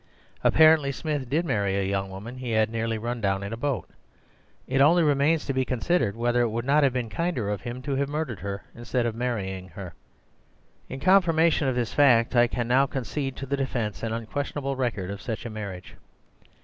Apparently Smith did marry a young woman he had nearly run down in a boat; it only remains to be considered whether it would not have been kinder of him to have murdered her instead of marrying her. In confirmation of this fact I can now con cede to the defence an unquestionable record of such a marriage."